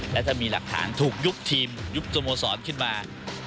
และถ้ามีหลักฐานถูกยุบทีมยุบสโมสรขึ้นมา